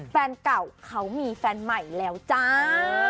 แฟนเก่าเขามีแฟนใหม่แล้วจ้า